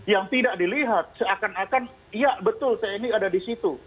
yang tidak dilihat seakan akan iya betul tni ada di situ